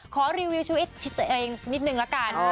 ขอรีวิวชีวิตตัวเองนิดนึงละกัน